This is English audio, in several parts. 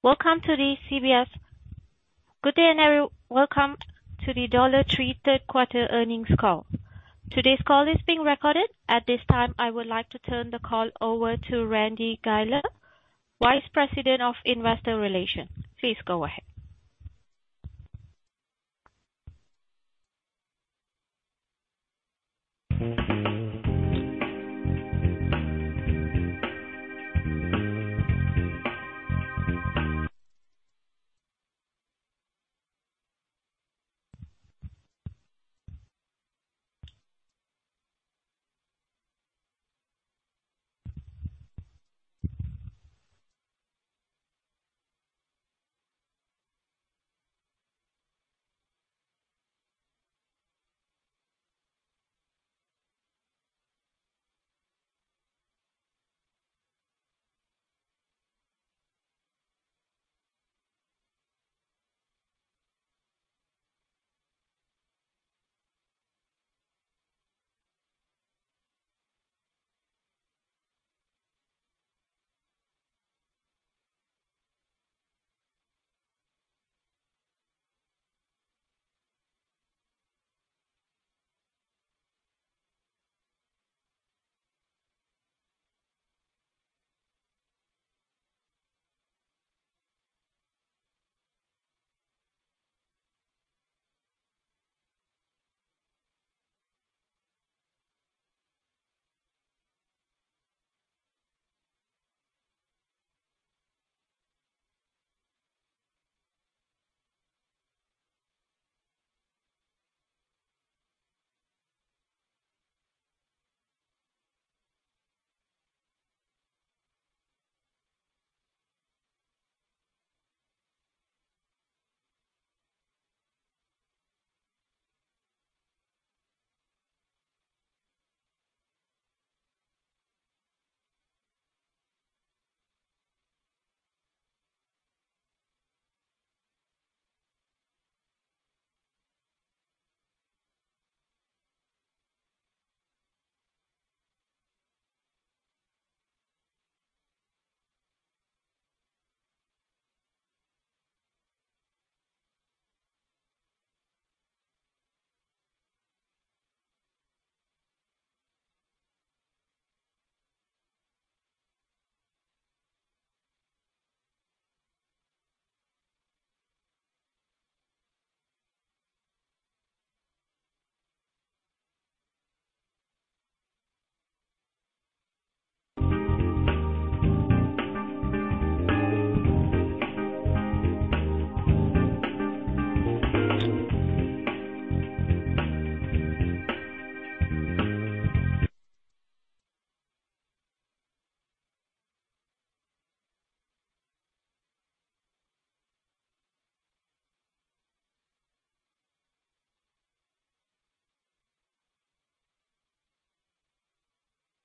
Welcome to the Dollar Tree third quarter earnings call. Today's call is being recorded. At this time, I would like to turn the call over to Randy Guiler, Vice President of Investor Relations. Please go ahead.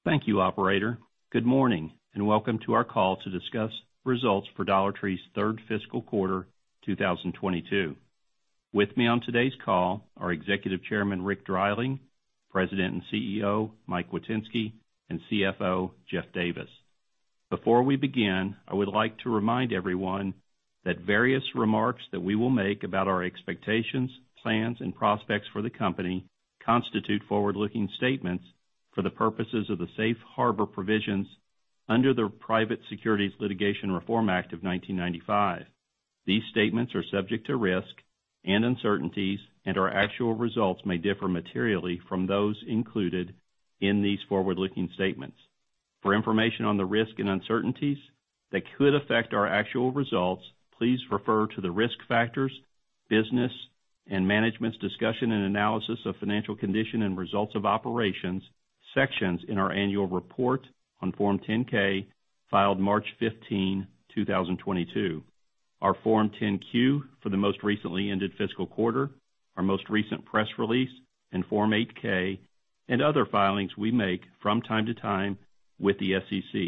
Thank you, operator. Good morning, welcome to our call to discuss results for Dollar Tree's third fiscal quarter, 2022. With me on today's call are Executive Chairman, Rick Dreiling, President and CEO, Mike Witynski, and CFO, Jeff Davis. Before we begin, I would like to remind everyone that various remarks that we will make about our expectations, plans and prospects for the company constitute forward-looking statements for the purposes of the safe harbor provisions under the Private Securities Litigation Reform Act of 1995. These statements are subject to risk and uncertainties, our actual results may differ materially from those included in these forward-looking statements. For information on the risk and uncertainties that could affect our actual results, please refer to the Risk Factors, Business and Management's Discussion and Analysis of Financial Condition and Results of Operations sections in our annual report on Form 10-K filed March 15, 2022. Our Form 10-Q for the most recently ended fiscal quarter, our most recent press release, and Form 8-K and other filings we make from time to time with the SEC.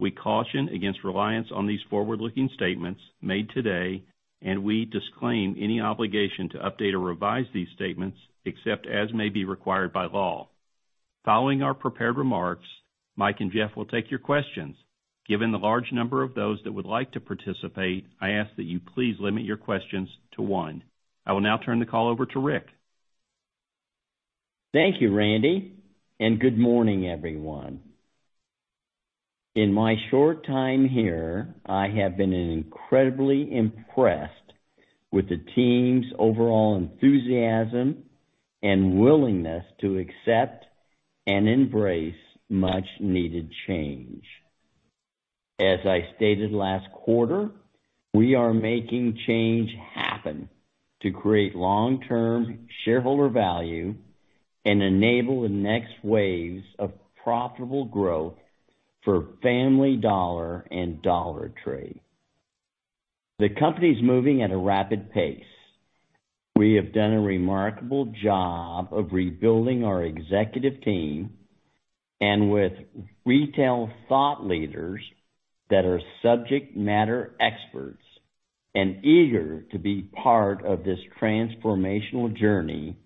We caution against reliance on these forward-looking statements made today. We disclaim any obligation to update or revise these statements except as may be required by law. Following our prepared remarks, Mike and Jeff will take your questions. Given the large number of those that would like to participate, I ask that you please limit your questions to one. I will now turn the call over to Rick. Thank you, Randy, and good morning, everyone. In my short time here, I have been incredibly impressed with the team's overall enthusiasm and willingness to accept and embrace much-needed change. As I stated last quarter, we are making change happen to create long-term shareholder value and enable the next waves of profitable growth for Family Dollar and Dollar Tree. The company's moving at a rapid pace. We have done a remarkable job of rebuilding our executive team and with retail thought leaders that are subject matter experts and eager to be part of this transformational journey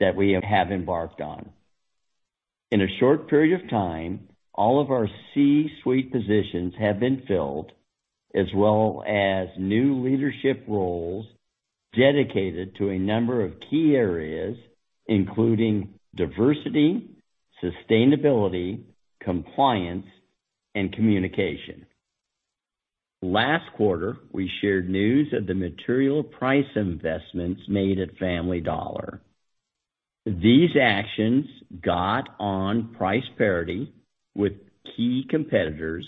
that we have embarked on. In a short period of time, all of our C-suite positions have been filled, as well as new leadership roles dedicated to a number of key areas, including diversity, sustainability, compliance, and communication. Last quarter, we shared news of the material price investments made at Family Dollar. These actions got on price parity with key competitors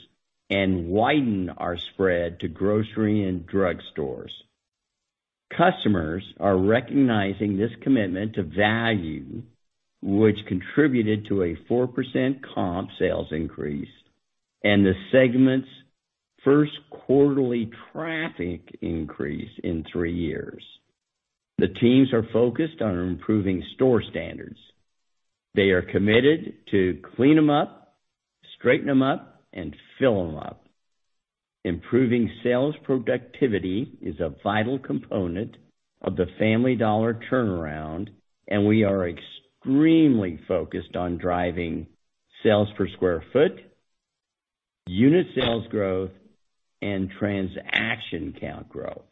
and widened our spread to grocery and drugstores. Customers are recognizing this commitment to value, which contributed to a 4% comp sales increase and the segment's first quarterly traffic increase in three years. The teams are focused on improving store standards. They are committed to clean 'em up, straighten 'em up, and fill 'em up. Improving sales productivity is a vital component of the Family Dollar turnaround, and we are extremely focused on driving sales per square foot, unit sales growth, and transaction count growth.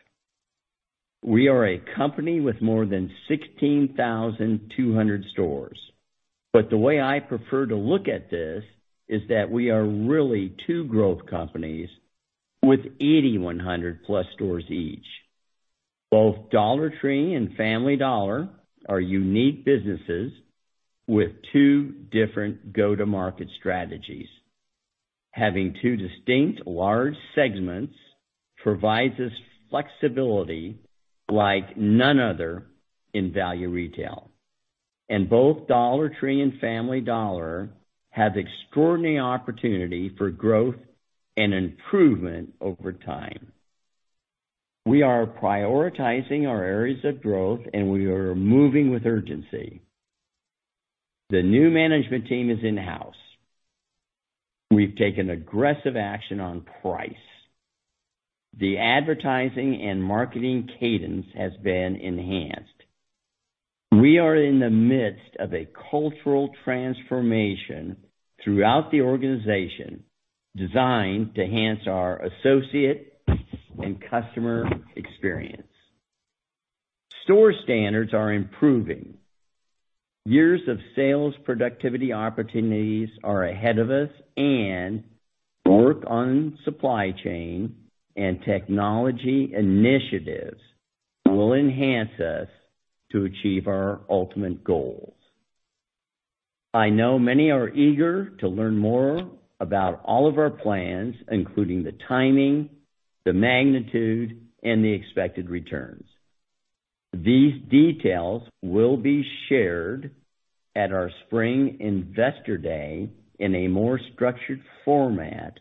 We are a company with more than 16,200 stores, but the way I prefer to look at this is that we are really two growth companies with 8,100-plus stores each. Both Dollar Tree and Family Dollar are unique businesses with two different go-to-market strategies. Having two distinct large segments provides us flexibility like none other in value retail. Both Dollar Tree and Family Dollar have extraordinary opportunity for growth and improvement over time. We are prioritizing our areas of growth, and we are moving with urgency. The new management team is in-house. We've taken aggressive action on price. The advertising and marketing cadence has been enhanced. We are in the midst of a cultural transformation throughout the organization designed to enhance our associate and customer experience. Store standards are improving. Years of sales productivity opportunities are ahead of us, and work on supply chain and technology initiatives will enhance us to achieve our ultimate goals. I know many are eager to learn more about all of our plans, including the timing, the magnitude, and the expected returns. These details will be shared at our spring investor day in a more structured format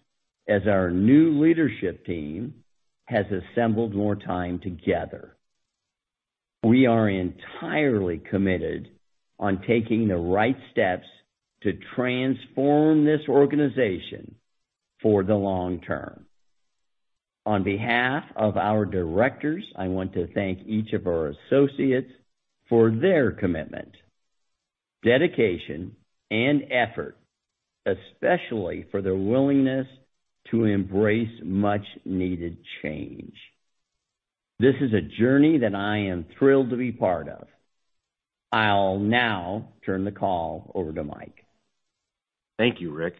as our new leadership team has assembled more time together. We are entirely committed on taking the right steps to transform this organization for the long term. On behalf of our directors, I want to thank each of our associates for their commitment, dedication, and effort, especially for their willingness to embrace much needed change. This is a journey that I am thrilled to be part of. I'll now turn the call over to Mike. Thank you, Rick.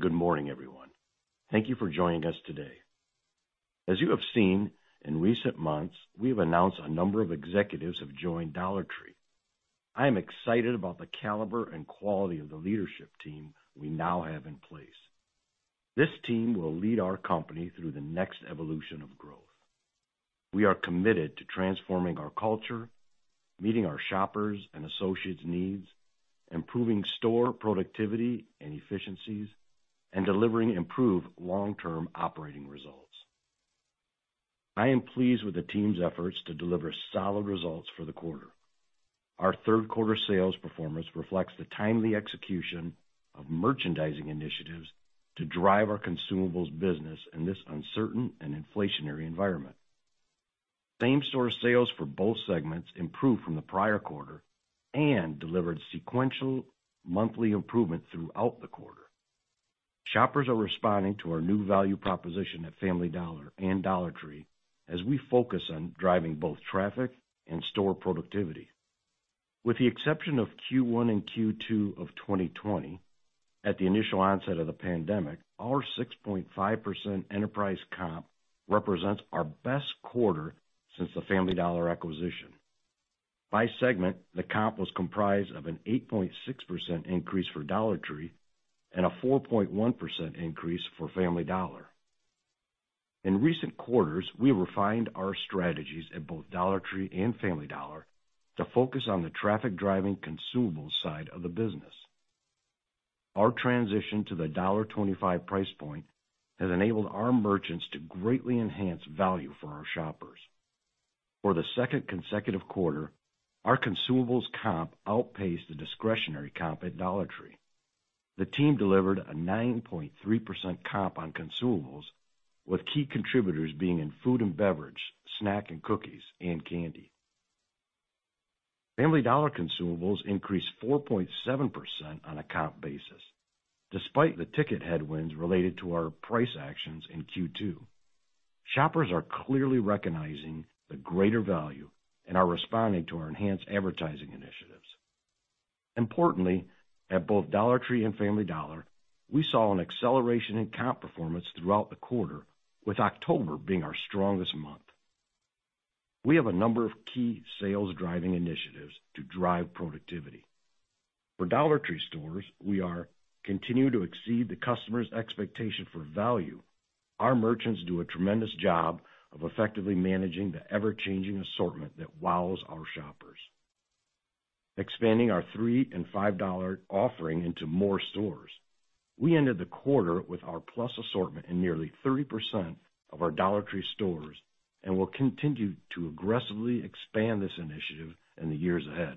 Good morning, everyone. Thank you for joining us today. As you have seen in recent months, we have announced a number of executives have joined Dollar Tree. I am excited about the caliber and quality of the leadership team we now have in place. This team will lead our company through the next evolution of growth. We are committed to transforming our culture, meeting our shoppers' and associates' needs, improving store productivity and efficiencies, and delivering improved long-term operating results. I am pleased with the team's efforts to deliver solid results for the quarter. Our third quarter sales performance reflects the timely execution of merchandising initiatives to drive our consumables business in this uncertain and inflationary environment. Same-store sales for both segments improved from the prior quarter and delivered sequential monthly improvement throughout the quarter. Shoppers are responding to our new value proposition at Family Dollar and Dollar Tree as we focus on driving both traffic and store productivity. With the exception of Q1 and Q2 of 2020, at the initial onset of the pandemic, our 6.5% enterprise comp represents our best quarter since the Family Dollar acquisition. By segment, the comp was comprised of an 8.6% increase for Dollar Tree and a 4.1% increase for Family Dollar. In recent quarters, we refined our strategies at both Dollar Tree and Family Dollar to focus on the traffic-driving consumables side of the business. Our transition to the $1.25 price point has enabled our merchants to greatly enhance value for our shoppers. For the second consecutive quarter, our consumables comp outpaced the discretionary comp at Dollar Tree. The team delivered a 9.3% comp on consumables, with key contributors being in food and beverage, snack and cookies, and candy. Family Dollar consumables increased 4.7% on a comp basis, despite the ticket headwinds related to our price actions in Q2. Shoppers are clearly recognizing the greater value and are responding to our enhanced advertising initiatives. Importantly, at both Dollar Tree and Family Dollar, we saw an acceleration in comp performance throughout the quarter, with October being our strongest month. We have a number of key sales-driving initiatives to drive productivity. For Dollar Tree stores, we are continuing to exceed the customer's expectation for value. Our merchants do a tremendous job of effectively managing the ever-changing assortment that wows our shoppers. Expanding our $3 and $5 offering into more stores. We ended the quarter with our plus assortment in nearly 30% of our Dollar Tree stores and will continue to aggressively expand this initiative in the years ahead.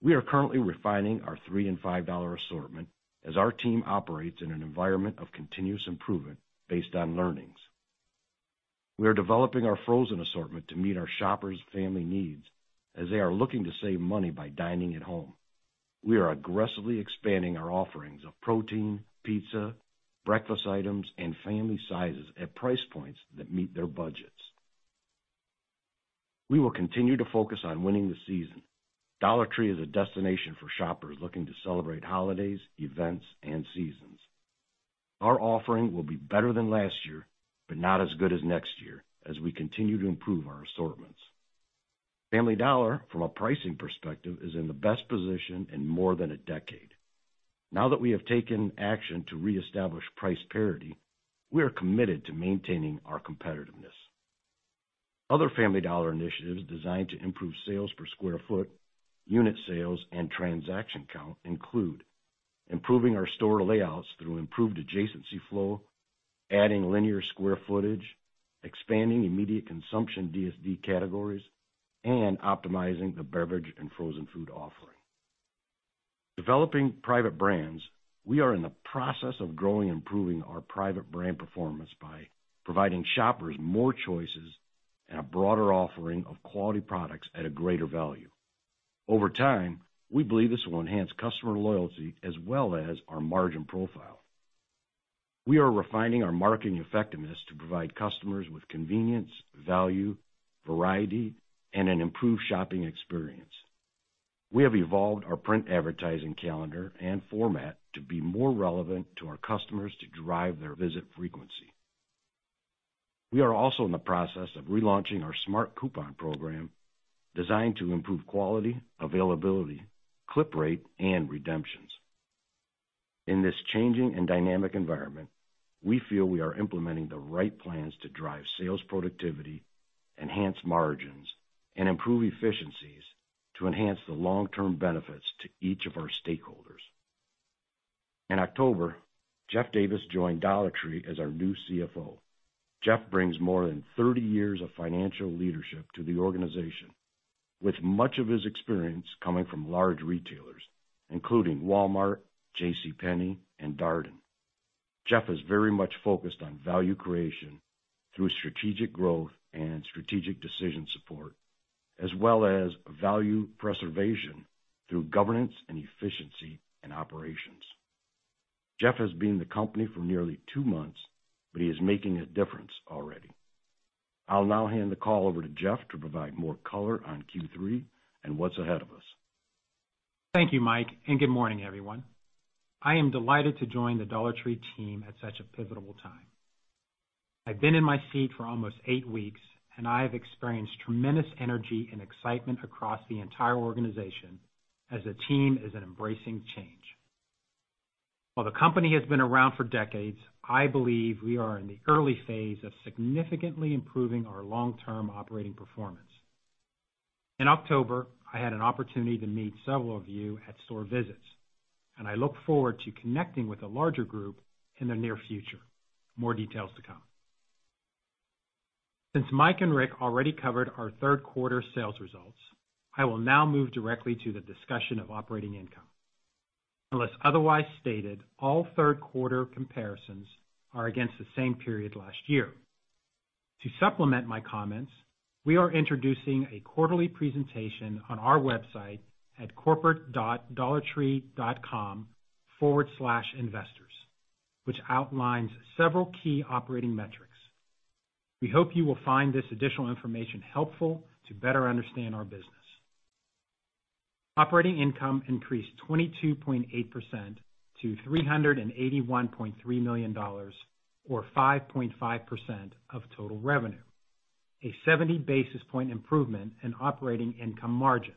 We are currently refining our $3 and $5 assortment as our team operates in an environment of continuous improvement based on learnings. We are developing our frozen assortment to meet our shoppers' family needs as they are looking to save money by dining at home. We are aggressively expanding our offerings of protein, pizza, breakfast items, and family sizes at price points that meet their budgets. We will continue to focus on winning the season. Dollar Tree is a destination for shoppers looking to celebrate holidays, events, and seasons. Our offering will be better than last year, but not as good as next year as we continue to improve our assortments. Family Dollar, from a pricing perspective, is in the best position in more than a decade. Now that we have taken action to reestablish price parity, we are committed to maintaining our competitiveness. Other Family Dollar initiatives designed to improve sales per square foot, unit sales, and transaction count include improving our store layouts through improved adjacency flow, adding linear square footage, expanding immediate consumption DSD categories, and optimizing the beverage and frozen food offering. Developing private brands, we are in the process of growing and improving our private brand performance by providing shoppers more choices and a broader offering of quality products at a greater value. Over time, we believe this will enhance customer loyalty as well as our margin profile. We are refining our marketing effectiveness to provide customers with convenience, value, variety, and an improved shopping experience. We have evolved our print advertising calendar and format to be more relevant to our customers to drive their visit frequency. We are also in the process of relaunching our Smart Coupon program designed to improve quality, availability, clip rate, and redemptions. In this changing and dynamic environment, we feel we are implementing the right plans to drive sales productivity, enhance margins, and improve efficiencies to enhance the long-term benefits to each of our stakeholders. In October, Jeff Davis joined Dollar Tree as our new CFO. Jeff brings more than 30 years of financial leadership to the organization, with much of his experience coming from large retailers, including Walmart, JCPenney, and Darden. Jeff is very much focused on value creation through strategic growth and strategic decision support, as well as value preservation through governance and efficiency and operations. Jeff has been in the company for nearly two months, but he is making a difference already. I'll now hand the call over to Jeff to provide more color on Q3 and what's ahead of us. Thank you, Mike. Good morning, everyone. I am delighted to join the Dollar Tree team at such a pivotal time. I've been in my seat for almost eight weeks and I have experienced tremendous energy and excitement across the entire organization as the team is embracing change. While the company has been around for decades, I believe we are in the early phase of significantly improving our long-term operating performance. In October, I had an opportunity to meet several of you at store visits, and I look forward to connecting with a larger group in the near future. More details to come. Since Mike and Rick already covered our third quarter sales results, I will now move directly to the discussion of operating income. Unless otherwise stated, all third-quarter comparisons are against the same period last year. To supplement my comments, we are introducing a quarterly presentation on our website at corporate.dollartree.com/investors, which outlines several key operating metrics. We hope you will find this additional information helpful to better understand our business. Operating income increased 22.8% to $381.3 million or 5.5% of total revenue, a 70 basis points improvement in operating income margin.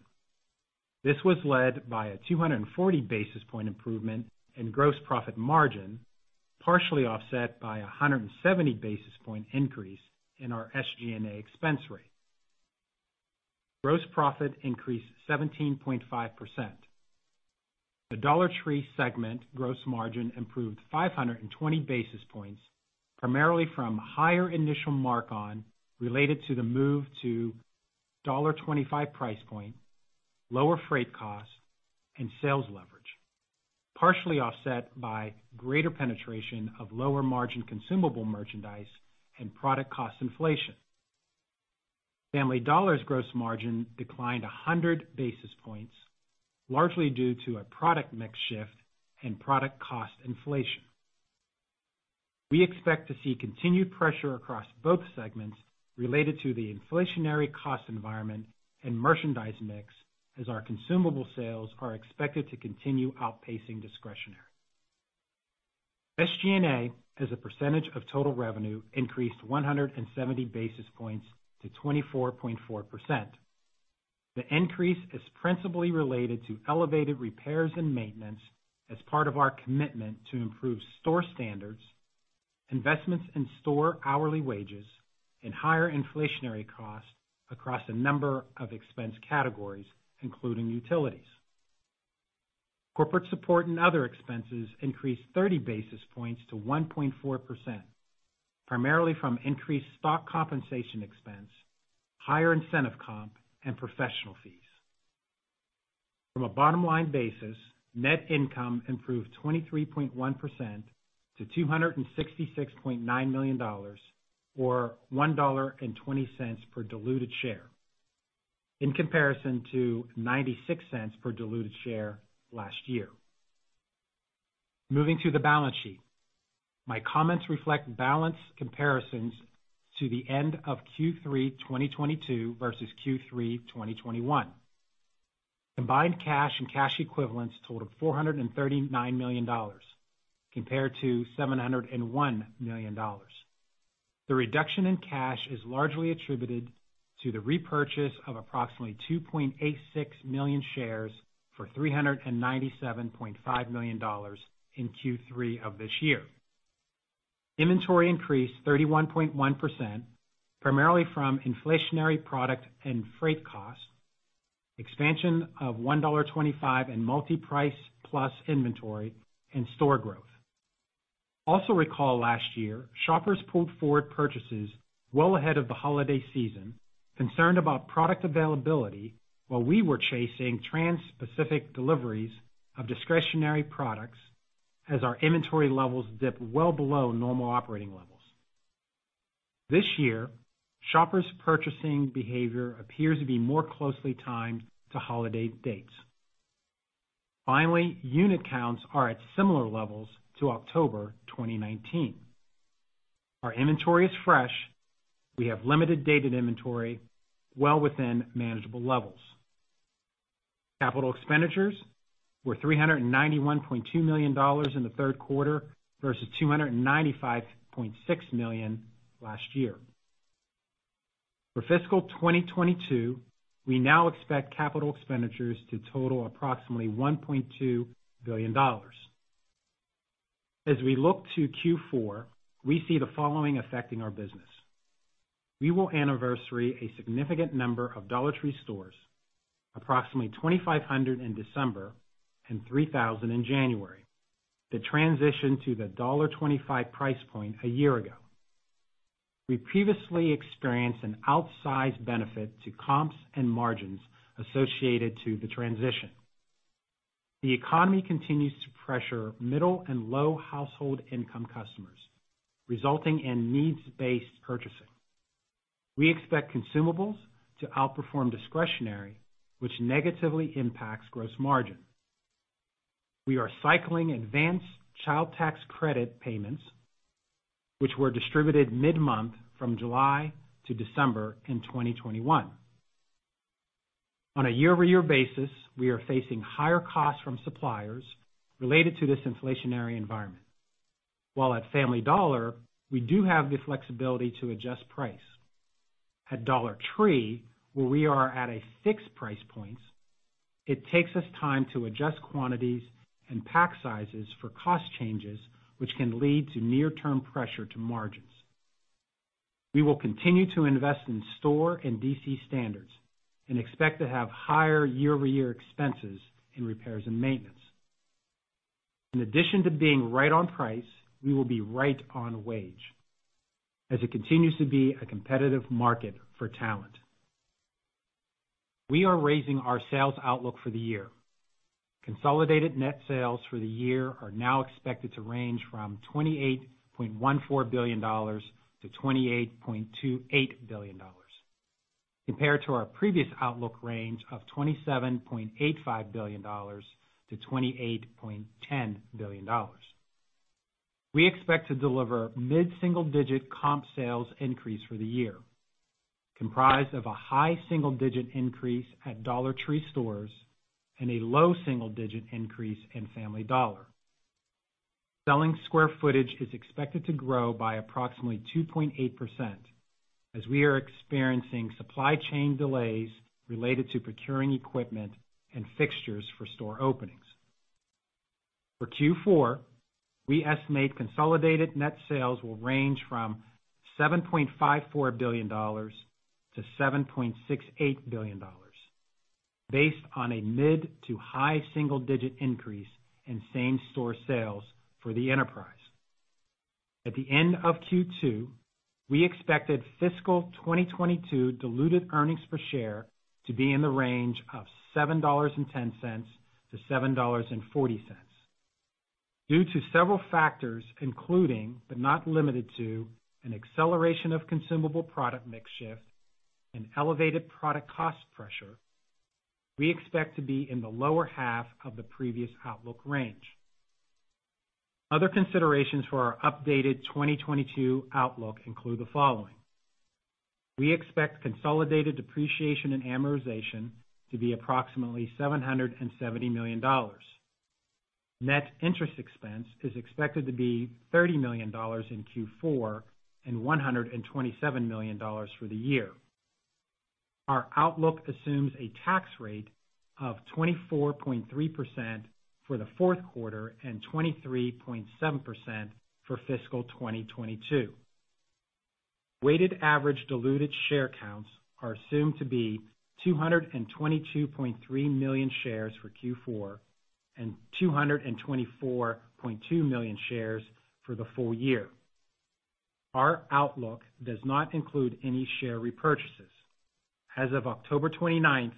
This was led by a 240 basis points improvement in gross profit margin, partially offset by a 170 basis points increase in our SG&A expense rate. Gross profit increased 17.5%. The Dollar Tree segment gross margin improved 520 basis points, primarily from higher initial mark on related to the move to $1.25 price point, lower freight costs, and sales leverage. Partially offset by greater penetration of lower margin consumable merchandise and product cost inflation. Family Dollar's gross margin declined 100 basis points, largely due to a product mix shift and product cost inflation. We expect to see continued pressure across both segments related to the inflationary cost environment and merchandise mix as our consumable sales are expected to continue outpacing discretionary. SG&A, as a percentage of total revenue, increased 170 basis points to 24.4%. The increase is principally related to elevated repairs and maintenance as part of our commitment to improve store standards, investments in store hourly wages, and higher inflationary costs across a number of expense categories, including utilities. Corporate support and other expenses increased 30 basis points to 1.4%, primarily from increased stock compensation expense, higher incentive comp, and professional fees. From a bottom-line basis, net income improved 23.1% to $266.9 million, or $1.20 per diluted share in comparison to $0.96 per diluted share last year. Moving to the balance sheet. My comments reflect balance comparisons to the end of Q3 2022 versus Q3 2021. Combined cash and cash equivalents totaled $439 million compared to $701 million. The reduction in cash is largely attributed to the repurchase of approximately 2.86 million shares for $397.5 million in Q3 of this year. Inventory increased 31.1%, primarily from inflationary product and freight costs, expansion of $1.25 in multi-price Plus inventory, and store growth. Recall last year, shoppers pulled forward purchases well ahead of the holiday season, concerned about product availability while we were chasing transpacific deliveries of discretionary products as our inventory levels dipped well below normal operating levels. This year, shoppers' purchasing behavior appears to be more closely timed to holiday dates. Unit counts are at similar levels to October 2019. Our inventory is fresh. We have limited dated inventory well within manageable levels. Capital expenditures were $391.2 million in the third quarter versus $295.6 million last year. For fiscal 2022, we now expect capital expenditures to total approximately $1.2 billion. As we look to Q4, we see the following affecting our business. We will anniversary a significant number of Dollar Tree stores, approximately 2,500 in December and 3,000 in January, that transitioned to the $1.25 price point a year ago. We previously experienced an outsized benefit to comps and margins associated to the transition. The economy continues to pressure middle and low household income customers, resulting in needs-based purchasing. We expect consumables to outperform discretionary, which negatively impacts gross margin. We are cycling advanced Child Tax Credit payments, which were distributed mid-month from July to December in 2021. On a year-over-year basis, we are facing higher costs from suppliers related to this inflationary environment. While at Family Dollar, we do have the flexibility to adjust price. At Dollar Tree, where we are at a fixed price point, it takes us time to adjust quantities and pack sizes for cost changes, which can lead to near-term pressure to margins. We will continue to invest in store and DC standards and expect to have higher year-over-year expenses in repairs and maintenance. In addition to being right on price, we will be right on wage, as it continues to be a competitive market for talent. We are raising our sales outlook for the year. Consolidated net sales for the year are now expected to range from $28.14 billion-$28.28 billion, compared to our previous outlook range of $27.85 billion-$28.10 billion. We expect to deliver mid-single-digit comp sales increase for the year, comprised of a high single-digit increase at Dollar Tree stores and a low single-digit increase in Family Dollar. Selling square footage is expected to grow by approximately 2.8% as we are experiencing supply chain delays related to procuring equipment and fixtures for store openings. For Q4, we estimate consolidated net sales will range from $7.54 billion-$7.68 billion based on a mid to high single-digit increase in same-store sales for the enterprise. At the end of Q2, we expected fiscal 2022 diluted earnings per share to be in the range of $7.10-$7.40. Due to several factors, including, but not limited to, an acceleration of consumable product mix shift and elevated product cost pressure, we expect to be in the lower half of the previous outlook range. Other considerations for our updated 2022 outlook include the following. We expect consolidated depreciation and amortization to be approximately $770 million. Net interest expense is expected to be $30 million in Q4 and $127 million for the year. Our outlook assumes a tax rate of 24.3% for the fourth quarter and 23.7% for fiscal 2022. Weighted average diluted share counts are assumed to be 222.3 million shares for Q4 and 224.2 million shares for the full year. Our outlook does not include any share repurchases. As of October twenty-ninth,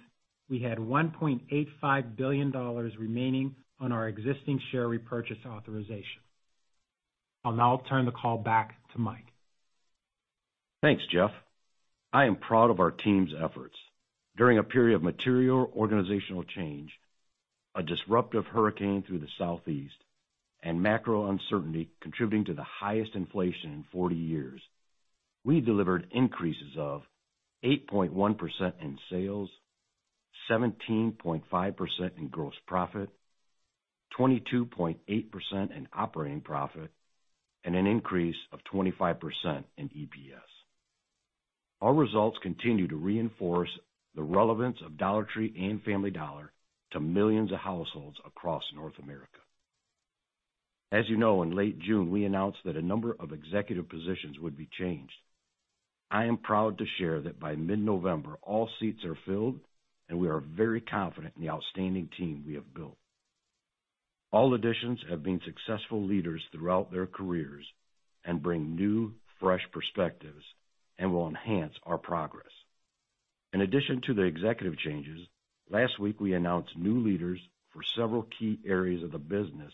we had $1.85 billion remaining on our existing share repurchase authorization. I'll now turn the call back to Mike. Thanks, Jeff. I am proud of our team's efforts. During a period of material organizational change, a disruptive hurricane through the Southeast, and macro uncertainty contributing to the highest inflation in 40 years, we delivered increases of 8.1% in sales, 17.5% in gross profit, 22.8% in operating profit, and an increase of 25% in EPS. Our results continue to reinforce the relevance of Dollar Tree and Family Dollar to millions of households across North America. As you know, in late June, we announced that a number of executive positions would be changed. I am proud to share that by mid-November, all seats are filled, and we are very confident in the outstanding team we have built. All additions have been successful leaders throughout their careers and bring new, fresh perspectives and will enhance our progress. In addition to the executive changes, last week we announced new leaders for several key areas of the business,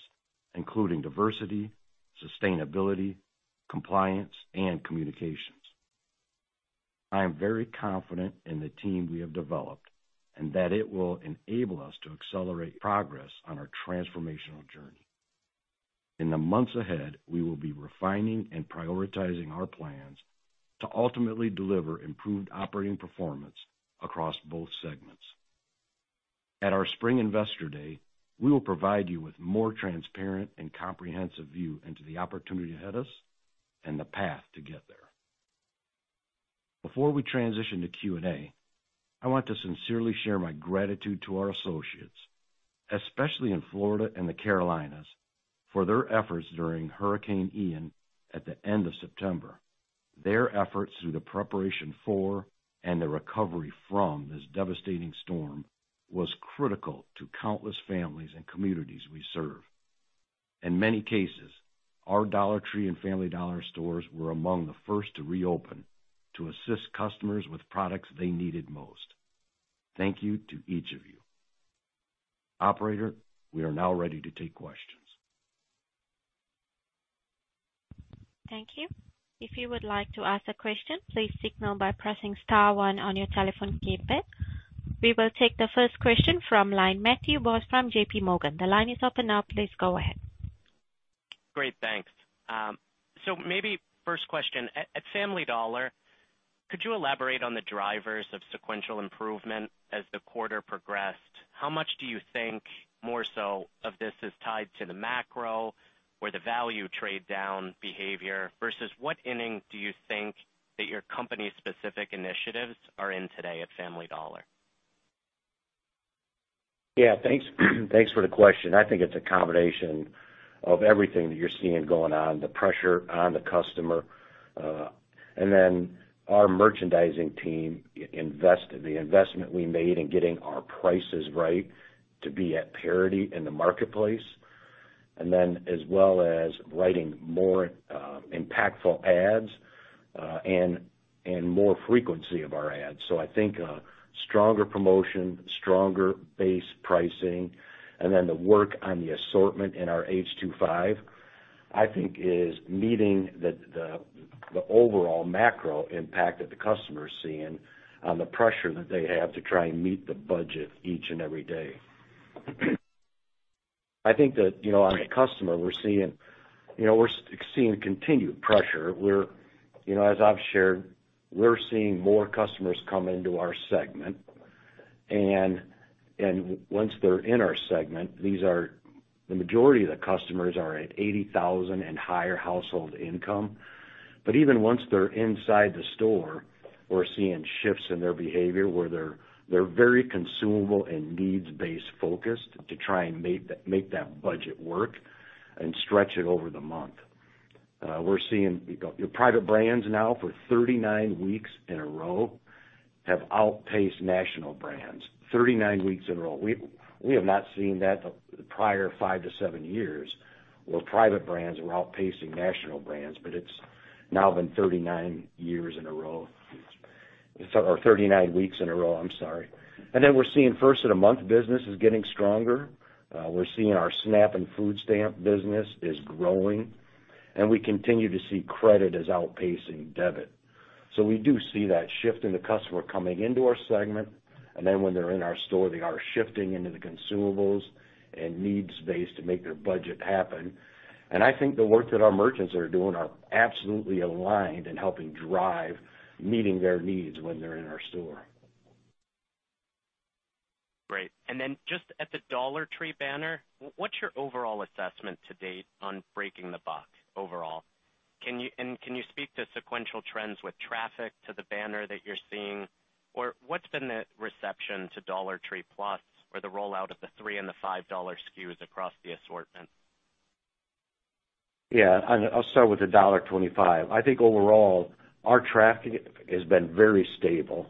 including diversity, sustainability, compliance, and communications. I am very confident in the team we have developed and that it will enable us to accelerate progress on our transformational journey. In the months ahead, we will be refining and prioritizing our plans to ultimately deliver improved operating performance across both segments. At our spring Investor Day, we will provide you with more transparent and comprehensive view into the opportunity ahead of us and the path to get there. Before we transition to Q&A, I want to sincerely share my gratitude to our associates, especially in Florida and the Carolinas, for their efforts during Hurricane Ian at the end of September. Their efforts through the preparation for and the recovery from this devastating storm was critical to countless families and communities we serve. In many cases, our Dollar Tree and Family Dollar stores were among the first to reopen to assist customers with products they needed most. Thank you to each of you. Operator, we are now ready to take questions. Thank you. If you would like to ask a question, please signal by pressing star one on your telephone keypad. We will take the first question from line Matthew Boss, JPMorgan. The line is open now. Please go ahead. Great, thanks. Maybe first question. At Family Dollar, could you elaborate on the drivers of sequential improvement as the quarter progressed? How much do you think more so of this is tied to the macro or the value trade down behavior versus what inning do you think that your company's specific initiatives are in today at Family Dollar? Yeah, thanks. Thanks for the question. I think it's a combination of everything that you're seeing going on, the pressure on the customer, and then our merchandising team the investment we made in getting our prices right to be at parity in the marketplace. As well as writing more impactful ads, and more frequency of our ads. I think a stronger promotion, stronger base pricing, and then the work on the assortment in our H2.5, I think is meeting the overall macro impact that the customer is seeing on the pressure that they have to try and meet the budget each and every day. I think that, you know, on the customer, we're seeing, you know, we're seeing continued pressure. We're, you know, as I've shared, we're seeing more customers come into our segment. Once they're in our segment, the majority of the customers are at $80,000 and higher household income. Even once they're inside the store, we're seeing shifts in their behavior where they're very consumable and needs-based focused to try and make that budget work and stretch it over the month. We're seeing our private brands now for 39 weeks in a row have outpaced national brands 39 weeks in a row. We have not seen that the prior five to seven years where private brands were outpacing national brands, but it's now been 39 years in a row. 39 weeks in a row. I'm sorry. We're seeing first of the month business is getting stronger. We're seeing our SNAP and food stamp business is growing, and we continue to see credit is outpacing debit. We do see that shift in the customer coming into our segment, and then when they're in our store, they are shifting into the consumables and needs base to make their budget happen. I think the work that our merchants are doing are absolutely aligned in helping drive meeting their needs when they're in our store. Great. Then just at the Dollar Tree banner, what's your overall assessment to date on breaking the buck overall? Can you speak to sequential trends with traffic to the banner that you're seeing? What's been the reception to Dollar Tree Plus or the rollout of the $3 and the $5 SKUs across the assortment? I'll start with the $1.25. I think overall, our traffic has been very stable,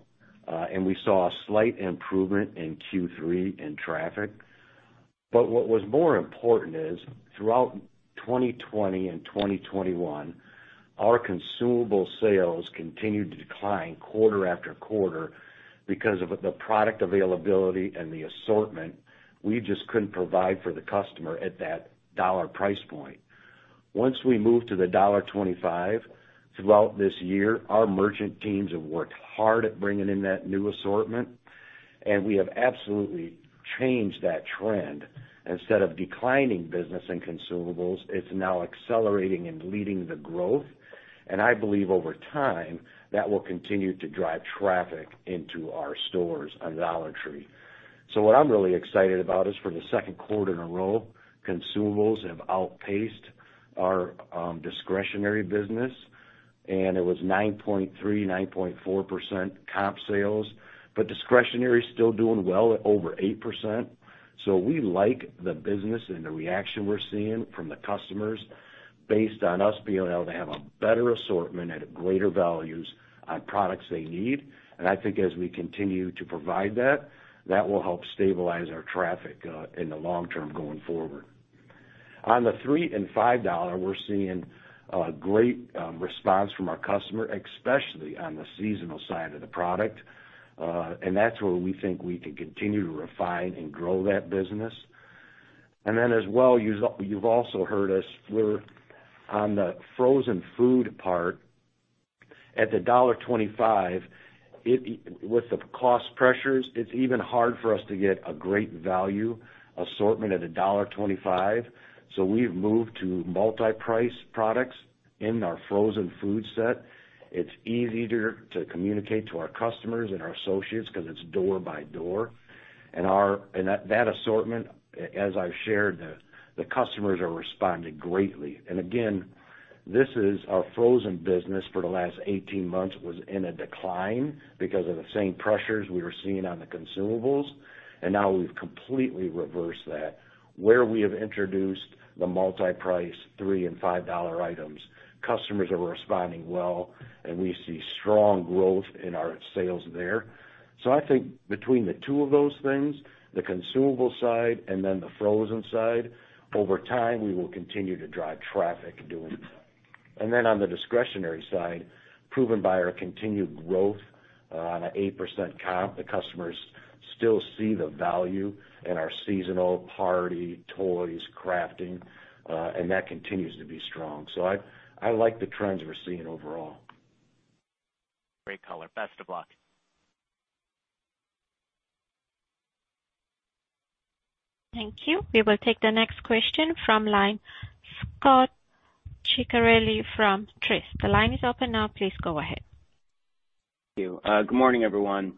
and we saw a slight improvement in Q3 in traffic. But what was more important is throughout 2020 and 2021, our consumable sales continued to decline quarter after quarter because of the product availability and the assortment we just couldn't provide for the customer at that dollar price point. Once we moved to the $1.25, throughout this year, our merchant teams have worked hard at bringing in that new assortment, and we have absolutely changed that trend. Instead of declining business and consumables, it's now accelerating and leading the growth. I believe over time, that will continue to drive traffic into our stores on Dollar Tree. What I'm really excited about is for the second quarter in a row, consumables have outpaced our discretionary business, and it was 9.3%, 9.4% comp sales. Discretionary is still doing well at over 8%. We like the business and the reaction we're seeing from the customers based on us being able to have a better assortment at greater values on products they need. I think as we continue to provide that will help stabilize our traffic in the long term going forward. On the $3 and $5, we're seeing a great response from our customer, especially on the seasonal side of the product. That's where we think we can continue to refine and grow that business. You've also heard us, we're on the frozen food part. At the $1.25, with the cost pressures, it's even hard for us to get a great value assortment at a $1.25. We've moved to multi-price products in our frozen food set. It's easier to communicate to our customers and our associates because it's door by door. That assortment, as I've shared, the customers are responding greatly. Again, this is our frozen business for the last 18 months was in a decline because of the same pressures we were seeing on the consumables. Now we've completely reversed that. Where we have introduced the multi-price $3 and $5 items, customers are responding well, and we see strong growth in our sales there. I think between the two of those things, the consumable side and then the frozen side, over time, we will continue to drive traffic doing that. On the discretionary side, proven by our continued growth on an 8% comp, the customers still see the value in our seasonal party, toys, crafting, and that continues to be strong. I like the trends we're seeing overall. Great color. Best of luck. Thank you. We will take the next question from line, Scot Ciccarelli from Truist. The line is open now. Please go ahead. Thank you. Good morning, everyone.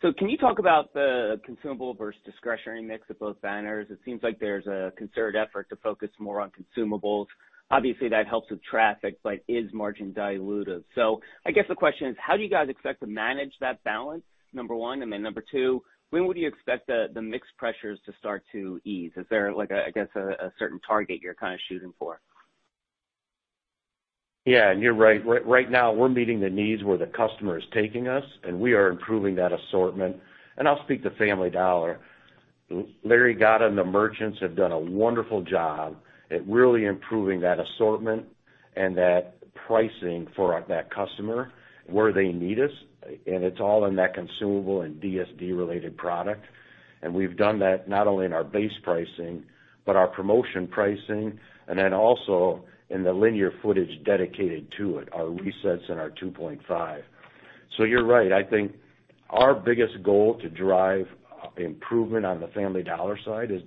Can you talk about the consumable versus discretionary mix of both banners? It seems like there's a concerted effort to focus more on consumables. Obviously, that helps with traffic, but is margin dilutive? The question is, how do you guys expect to manage that balance, number one? Number two, when would you expect the mix pressures to start to ease? Is there, like a certain target you're kind of shooting for? You're right. Right now, we're meeting the needs where the customer is taking us, and we are improving that assortment. I'll speak to Family Dollar. Larry Gatta and the merchants have done a wonderful job at really improving that assortment and that pricing for that customer where they need us, and it's all in that consumable and DSD-related product. We've done that not only in our base pricing, but our promotion pricing, and then also in the linear footage dedicated to it, our resets and our 2.5. You're right. I think our biggest goal to drive improvement on the Family Dollar side is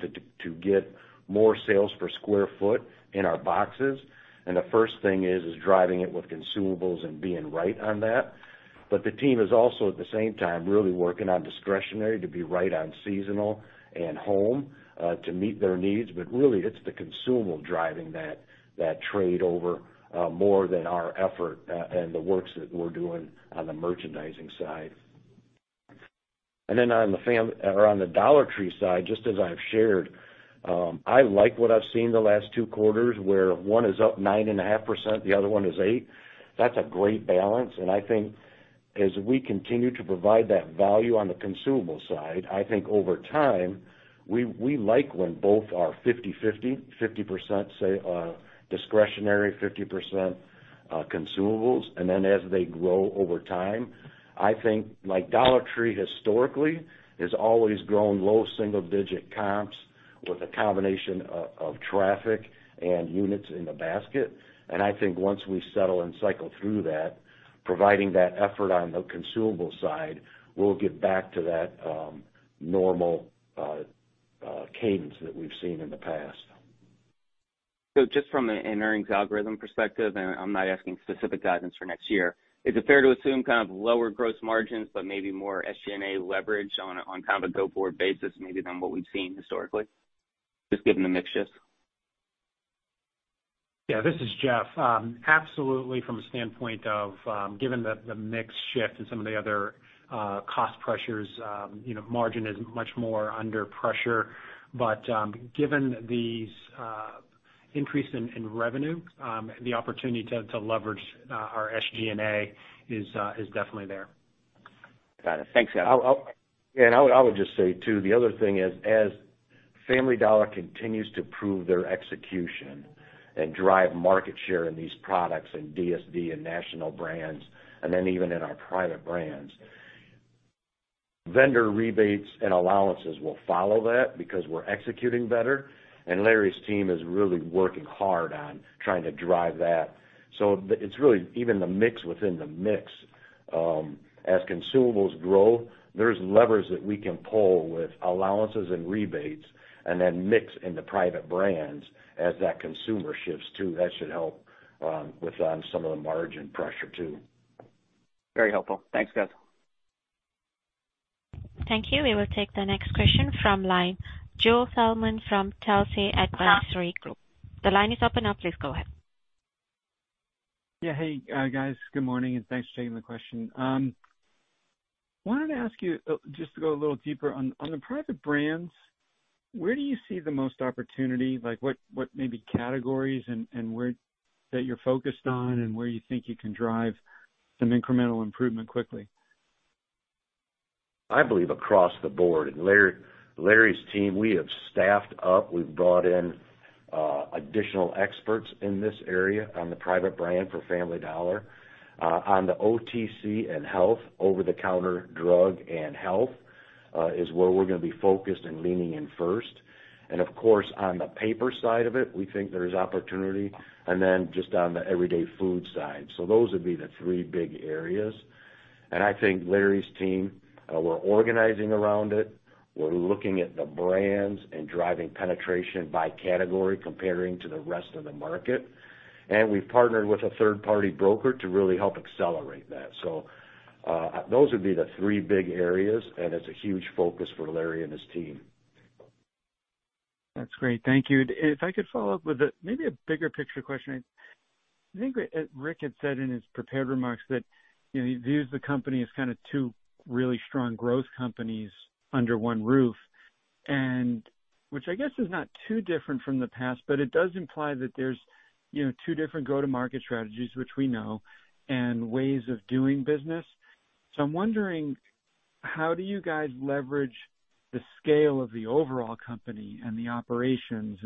to get more sales per square foot in our boxes. The first thing is driving it with consumables and being right on that. The team is also, at the same time, really working on discretionary to be right on seasonal and home, to meet their needs. Really, it's the consumable driving that trade over, more than our effort, and the works that we're doing on the merchandising side. On the Dollar Tree side, just as I've shared, I like what I've seen the last two quarters, where one is up 9.5%, the other one is 8%. I think as we continue to provide that value on the consumable side, I think over time, we like when both are 50/50. 50%, say, discretionary, 50%, consumables. As they grow over time, I think like Dollar Tree historically has always grown low single-digit comps with a combination of traffic and units in the basket. I think once we settle and cycle through that, providing that effort on the consumable side, we'll get back to that normal cadence that we've seen in the past. Just from an earnings algorithm perspective, and I'm not asking specific guidance for next year, is it fair to assume kind of lower gross margins, but maybe more SG&A leverage on kind of a go-forward basis maybe than what we've seen historically, just given the mix shift? Yeah, this is Jeff. Absolutely from a standpoint of, given the mix shift and some of the other cost pressures, you know, margin is much more under pressure. Given these increase in revenue, the opportunity to leverage our SG&A is definitely there. Got it. Thanks, guys. Yeah, I would just say, too, the other thing is, as Family Dollar continues to prove their execution and drive market share in these products in DSD and national brands, and then even in our private brands, vendor rebates and allowances will follow that because we're executing better. Larry's team is really working hard on trying to drive that. It's really even the mix within the mix. As consumables grow, there's levers that we can pull with allowances and rebates and then mix in the private brands as that consumer shifts, too. That should help with some of the margin pressure, too. Very helpful. Thanks, guys. Thank you. We will take the next question from line. Joseph Feldman from Telsey Advisory Group. The line is open now. Please go ahead. Yeah. Hey, guys, good morning, and thanks for taking the question. Wanted to ask you, just to go a little deeper on the private brands, where do you see the most opportunity? Like, what maybe categories and where that you're focused on and where you think you can drive some incremental improvement quickly? I believe across the board. Larry's team, we have staffed up. We've brought in additional experts in this area on the private brand for Family Dollar. On the OTC and health, over-the-counter drug and health, is where we're gonna be focused and leaning in first. Of course, on the paper side of it, we think there's opportunity, and then just on the everyday food side. Those would be the three big areas. I think Larry's team, we're organizing around it. We're looking at the brands and driving penetration by category, comparing to the rest of the market. We've partnered with a third-party broker to really help accelerate that. Those would be the three big areas, and it's a huge focus for Larry and his team. That's great. Thank you. If I could follow up with maybe a bigger picture question. I think Rick had said in his prepared remarks that, you know, he views the company as kinda two really strong growth companies under one roof, and which I guess is not too different from the past, but it does imply that there's, you know, two different go-to-market strategies, which we know, and ways of doing business. I'm wondering, how do you guys leverage the scale of the overall company and the operations?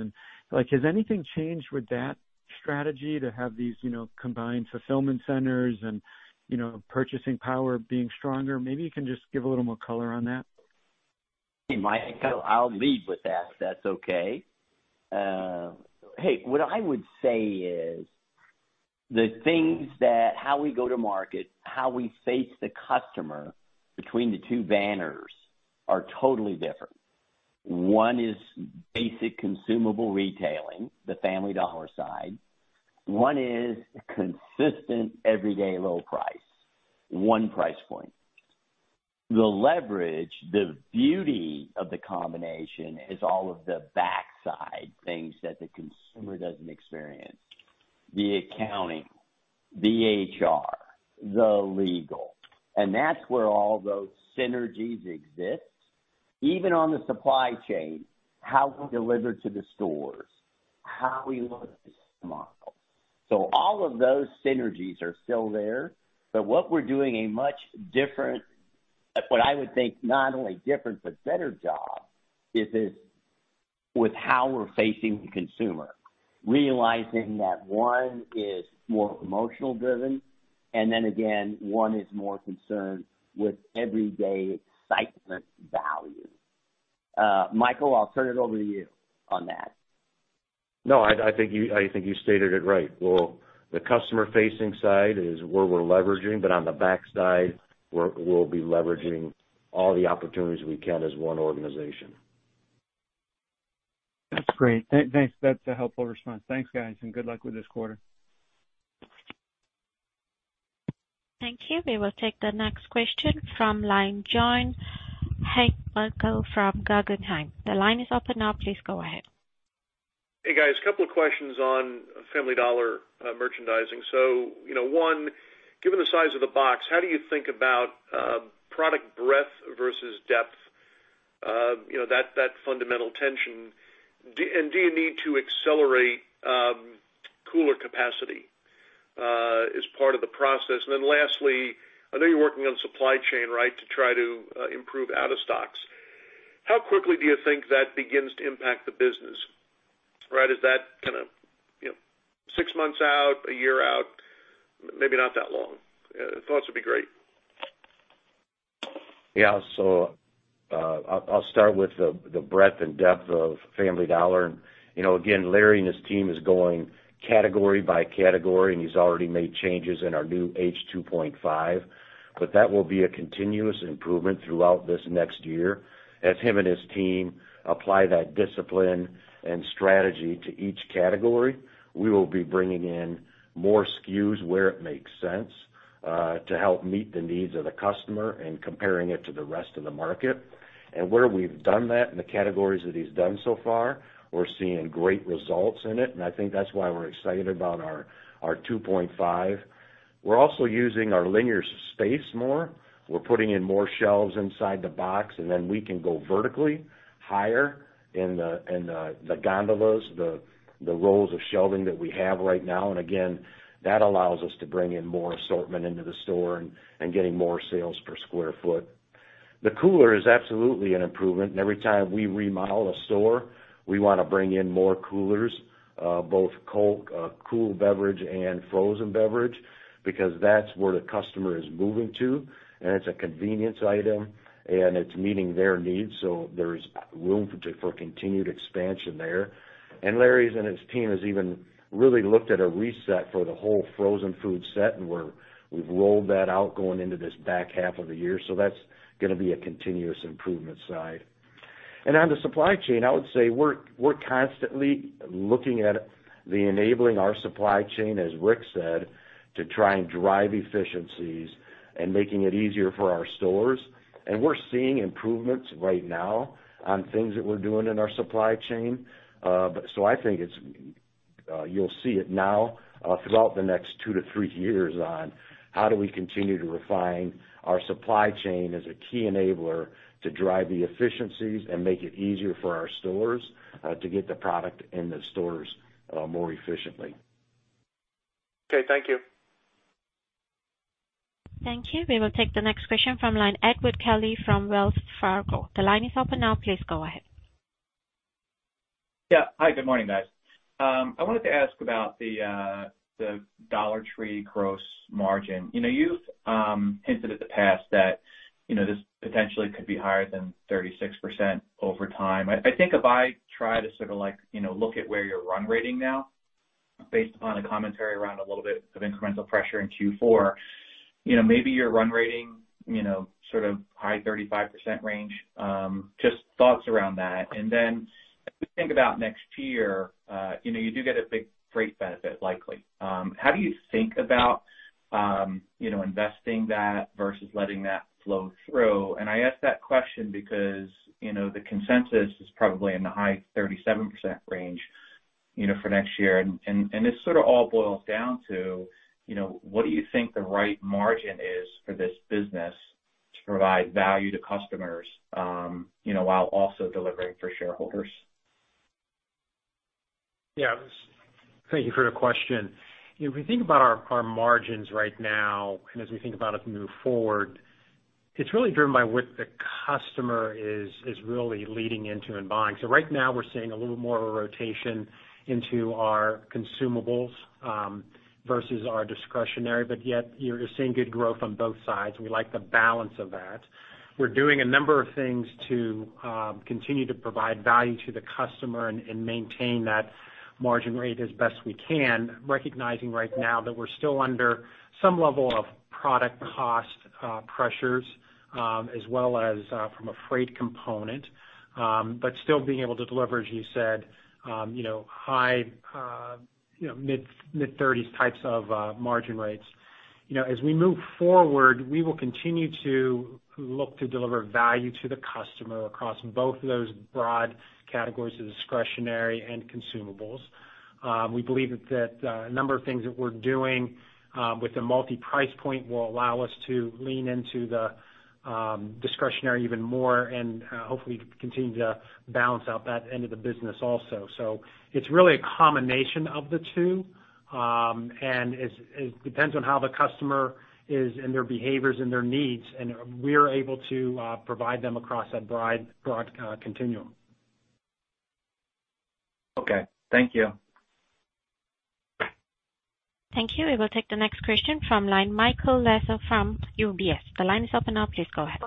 Like, has anything changed with that strategy to have these, you know, combined fulfillment centers and, you know, purchasing power being stronger? Maybe you can just give a little more color on that. Mike, I'll lead with that if that's okay. Hey, what I would say is how we go to market, how we face the customer between the two banners are totally different. One is basic consumable retailing, the Family Dollar side. One is consistent everyday low price, one price point. The leverage, the beauty of the combination is all of the backside things that the consumer doesn't experience. The accounting, the HR, the legal. That's where all those synergies exist. Even on the supply chain, how we deliver to the stores, how we look at this model. All of those synergies are still there, but what we're doing a much different, what I would think, not only different, but better job is with how we're facing the consumer, realizing that one is more emotional driven, and then again, one is more concerned with everyday excitement value. Michael, I'll turn it over to you on that. No, I think you stated it right. Well, the customer-facing side is where we're leveraging, but on the back side, we'll be leveraging all the opportunities we can as one organization. That's great. Thanks. That's a helpful response. Thanks, guys. Good luck with this quarter. Thank you. We will take the next question from line John Heinbockel from Guggenheim. The line is open now. Please go ahead. Hey guys, couple of questions on Family Dollar, merchandising. You know, one, given the size of the box, how do you think about product breadth versus depth? You know, that fundamental tension. Do you need to accelerate cooler capacity as part of the process? Lastly, I know you're working on supply chain, right? To try to improve out of stocks. How quickly do you think that begins to impact the business? Right, is that kinda, you know, six months out, a year out, maybe not that long? Thoughts would be great. Yeah. I'll start with the breadth and depth of Family Dollar. You know, again, Larry and his team is going category by category. He's already made changes in our new H2.5. That will be a continuous improvement throughout this next year. As him and his team apply that discipline and strategy to each category, we will be bringing in more SKUs where it makes sense to help meet the needs of the customer and comparing it to the rest of the market. Where we've done that in the categories that he's done so far, we're seeing great results in it, and I think that's why we're excited about our 2.5. We're also using our linear space more. We're putting in more shelves inside the box, and then we can go vertically higher in the, in the gondolas, the rows of shelving that we have right now. Again, that allows us to bring in more assortment into the store and getting more sales per square foot. The cooler is absolutely an improvement. Every time we remodel a store, we wanna bring in more coolers, both cold, cool beverage and frozen beverage, because that's where the customer is moving to, and it's a convenience item, and it's meeting their needs, so there's room for continued expansion there. Larry and his team has even really looked at a reset for the whole frozen food set, and we've rolled that out going into this back half of the year. That's gonna be a continuous improvement side. On the supply chain, I would say we're constantly looking at the enabling our supply chain, as Rick Dreiling said, to try and drive efficiencies and making it easier for our stores. We're seeing improvements right now on things that we're doing in our supply chain. I think it's, you'll see it now, throughout the next two to three years on how do we continue to refine our supply chain as a key enabler to drive the efficiencies and make it easier for our stores to get the product in the stores more efficiently. Okay, thank you. Thank you. We will take the next question from line Edward Kelly from Wells Fargo. The line is open now. Please go ahead. Yeah. Hi, good morning, guys. I wanted to ask about the Dollar Tree gross margin. You know, you've hinted at the past that, you know, this potentially could be higher than 36% over time. I think if I try to sort of like, you know, look at where you're run rating now based upon the commentary around a little bit of incremental pressure in Q4, you know, maybe your run rating, you know, sort of high 35% range. Just thoughts around that. Then as we think about next year, you know, you do get a big freight benefit, likely. How do you think about, you know, investing that versus letting that flow through? I ask that question because, you know, the consensus is probably in the high 37% range, you know, for next year. This sort of all boils down to, you know, what do you think the right margin is for this business to provide value to customers, you know, while also delivering for shareholders? Thank you for the question. If we think about our margins right now, and as we think about it move forward, it's really driven by what the customer is really leading into and buying. Right now we're seeing a little more of a rotation into our consumables versus our discretionary, but yet you're seeing good growth on both sides. We like the balance of that. We're doing a number of things to continue to provide value to the customer and maintain that margin rate as best we can, recognizing right now that we're still under some level of product cost pressures, as well as from a freight component, but still being able to deliver, as you said, you know, high, you know, mid-thirties types of margin rates. You know, as we move forward, we will continue to look to deliver value to the customer across both of those broad categories of discretionary and consumables. We believe that a number of things that we're doing with the multi-price point will allow us to lean into the discretionary even more and hopefully continue to balance out that end of the business also. It's really a combination of the two, and it's, it depends on how the customer is and their behaviors and their needs, and we're able to provide them across a broad continuum. Okay, thank you. Thank you. We will take the next question from line Michael Lasser from UBS. The line is open now. Please go ahead.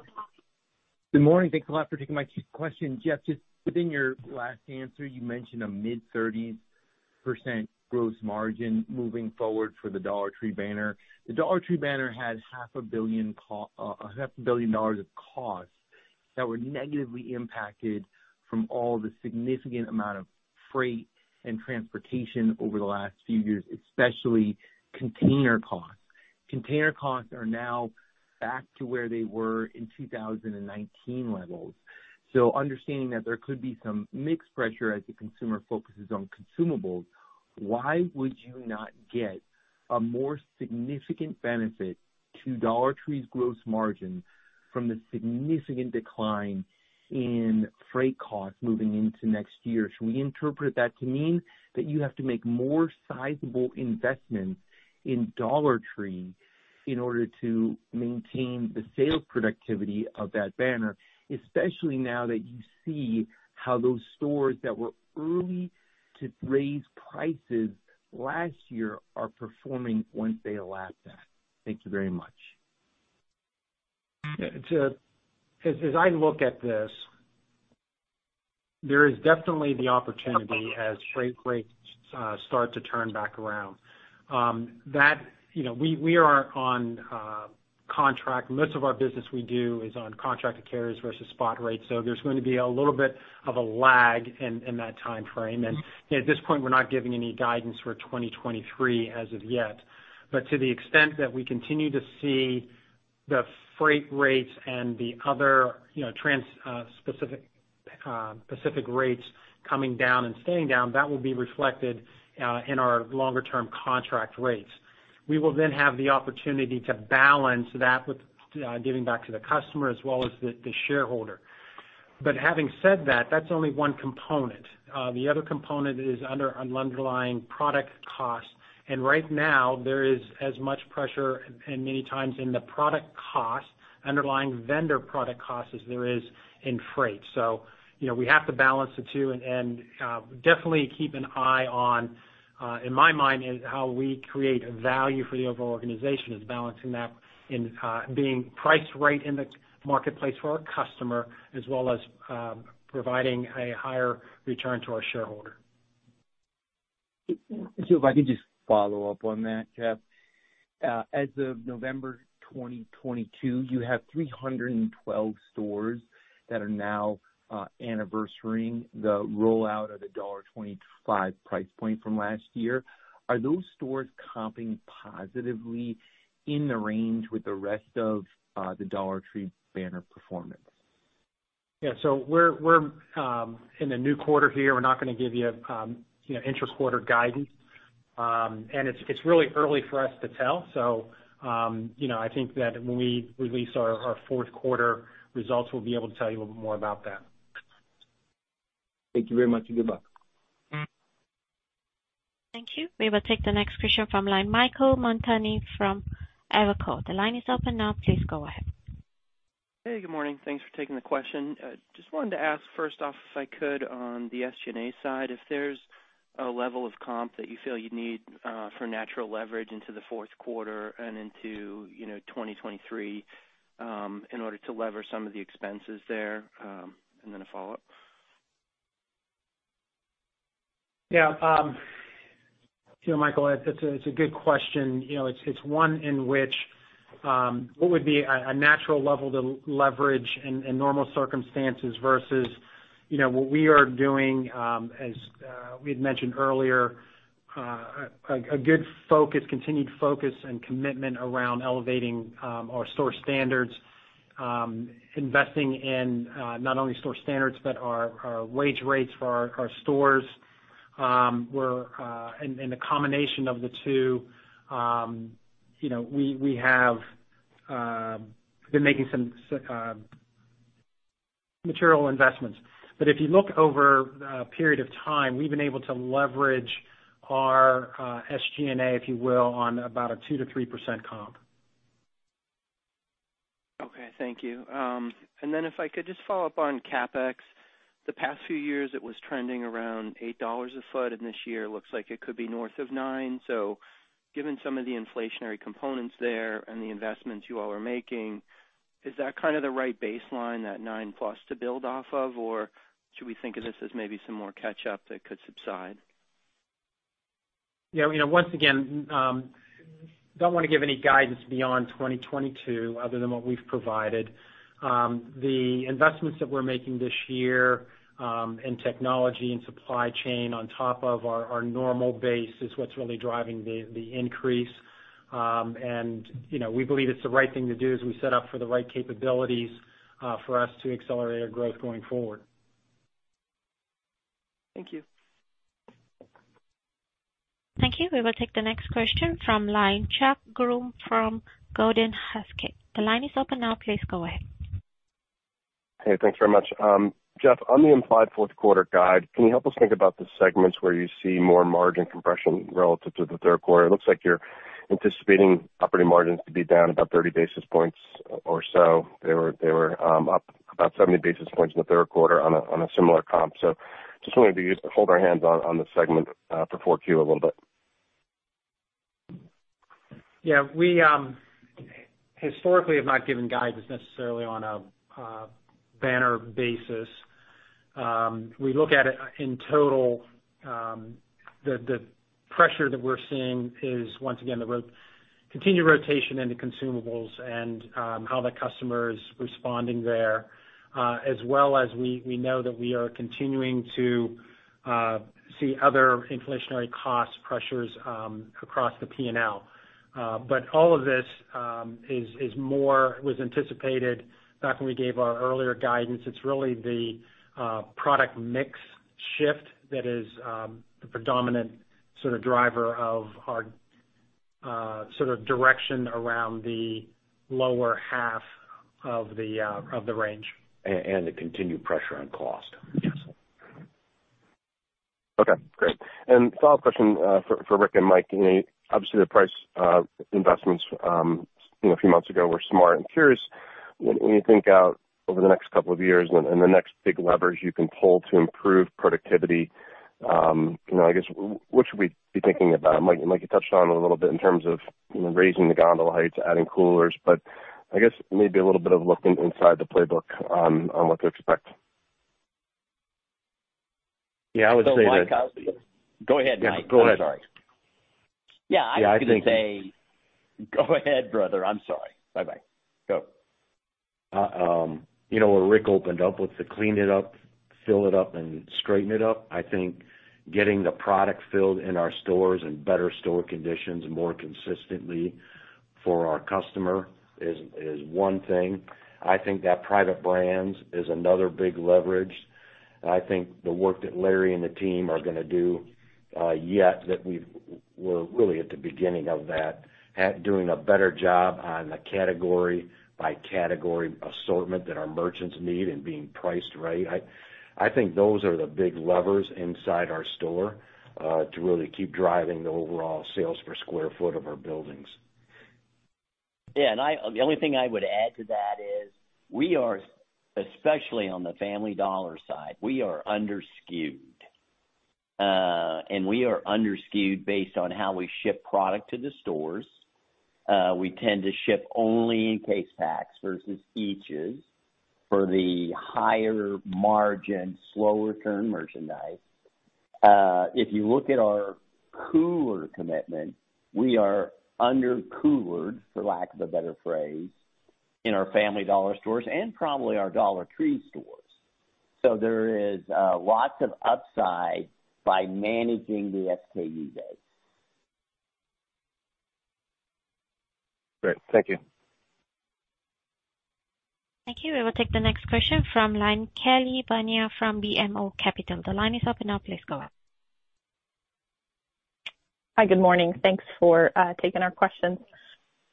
Good morning. Thanks a lot for taking my question. Jeff, just within your last answer, you mentioned a mid-30% gross margin moving forward for the Dollar Tree banner. The Dollar Tree banner had half a billion dollars of costs that were negatively impacted from all the significant amount of freight and transportation over the last few years, especially container costs. Container costs are now back to where they were in 2019 levels. Understanding that there could be some mixed pressure as the consumer focuses on consumables, why would you not get a more significant benefit to Dollar Tree's gross margin from the significant decline in freight costs moving into next year? Should we interpret that to mean that you have to make more sizable investments in Dollar Tree in order to maintain the sales productivity of that banner, especially now that you see how those stores that were early to raise prices last year are performing once they elapsed that? Thank you very much. As I look at this, there is definitely the opportunity as freight rates start to turn back around. You know, we are on contract. Most of our business we do is on contracted carriers versus spot rates, there's going to be a little bit of a lag in that timeframe. At this point, we're not giving any guidance for 2023 as of yet. To the extent that we continue to see the freight rates and the other, you know, specific rates coming down and staying down, that will be reflected in our longer term contract rates. We will then have the opportunity to balance that with giving back to the customer as well as the shareholder. Having said that's only one component. The other component is underlying product costs. Right now there is as much pressure and many times in the product costs, underlying vendor product costs as there is in freight. You know, we have to balance the two and, definitely keep an eye on, in my mind, is how we create value for the overall organization is balancing that in, being priced right in the marketplace for our customer as well as, providing a higher return to our shareholder. If I could just follow up on that, Jeff. As of November 2022, you have 312 stores that are now anniversary-ing the rollout of the $1.25 price point from last year. Are those stores comping positively in the range with the rest of the Dollar Tree banner performance? Yeah. We're in the new quarter here. We're not gonna give you know, inter-quarter guidance. It's really early for us to tell. You know, I think that when we release our fourth quarter results, we'll be able to tell you a little more about that. Thank you very much, and good luck. Thank you. We will take the next question from line Michael Montani from Evercore. The line is open now. Please go ahead. Hey, good morning. Thanks for taking the question. Just wanted to ask first off, if I could, on the SG&A side, if there's a level of comp that you feel you need for natural leverage into the fourth quarter and into, you know, 2023, in order to lever some of the expenses there, and then a follow-up. Yeah. You know, Michael, it's a good question. You know, it's one in which, what would be a natural level to leverage in normal circumstances versus, you know, what we are doing, as we had mentioned earlier, a good focus, continued focus and commitment around elevating our store standards, investing in not only store standards, but our wage rates for our stores. The combination of the two, you know, we have been making some material investments. If you look over a period of time, we've been able to leverage our SG&A, if you will, on about a 2%-3% comp. Okay. Thank you. If I could just follow up on CapEx. The past few years, it was trending around $8 a foot, and this year looks like it could be north of nine. Given some of the inflationary components there and the investments you all are making, is that kind of the right baseline, that nine-plus to build off of, or should we think of this as maybe some more catch up that could subside? Yeah. You know, once again, don't wanna give any guidance beyond 2022 other than what we've provided. The investments that we're making this year, in technology and supply chain on top of our normal base is what's really driving the increase. You know, we believe it's the right thing to do as we set up for the right capabilities, for us to accelerate our growth going forward. Thank you. Thank you. We will take the next question from line Chuck Grom from Gordon Haskett. The line is open now. Please go ahead. Hey, thanks very much. Jeff, on the implied fourth quarter guide, can you help us think about the segments where you see more margin compression relative to the third quarter? It looks like you're anticipating operating margins to be down about 30 basis points or so. They were up about 70 basis points in the third quarter on a similar comp. Just wanted to hold our hands on the segment for four Q a little bit. Yeah. We historically have not given guidance necessarily on a banner basis. We look at it in total, the pressure that we're seeing is once again, the continued rotation into consumables and how the customer is responding there, as well as we know that we are continuing to see other inflationary cost pressures across the P&L. But all of this was anticipated back when we gave our earlier guidance. It's really the product mix shift that is the predominant sort of driver of our sort of direction around the lower half of the of the range. The continued pressure on cost. Yes. Okay, great. Final question for Rick and Mike. You know, obviously the price investments, you know, a few months ago were smart and curious. When you think out over the next couple of years and the next big levers you can pull to improve productivity, you know, I guess what should we be thinking about? Mike, you touched on a little bit in terms of, you know, raising the gondola heights, adding coolers, but I guess maybe a little bit of look inside the playbook on what to expect. Yeah, I would say. Go ahead, Mike. Yeah, go ahead. I'm sorry. Yeah. Yeah, I was gonna say. Go ahead, brother. I'm sorry. Bye-bye. Go. You know, what Rick opened up with the clean it up, fill it up and straighten it up. I think getting the product filled in our stores and better store conditions more consistently for our customer is one thing. I think that private brands is another big leverage. I think the work that Larry and the team are gonna do, yet that we're really at the beginning of that, doing a better job on the category by category assortment that our merchants need and being priced right. I think those are the big levers inside our store to really keep driving the overall sales per square foot of our buildings. The only thing I would add to that is we are, especially on the Family Dollar side, we are under-skewed. We are under-skewed based on how we ship product to the stores. We tend to ship only in case packs versus each's for the higher margin, slower turn merchandise. If you look at our cooler commitment, we are under-coolered, for lack of a better phrase, in our Family Dollar stores and probably our Dollar Tree stores. There is lots of upside by managing the SKU base. Great. Thank you. Thank you. We will take the next question from line, Kelly Bania from BMO Capital. The line is open now. Please go ahead. Hi. Good morning. Thanks for taking our questions.